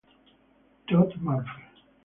Tod Murphy